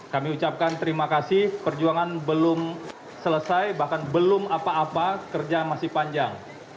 kami ucapkan terima kasih perjuangan belum selesai bahkan belum apa apa kerja masih panjang